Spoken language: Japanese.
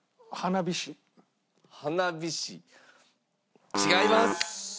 花火師違います！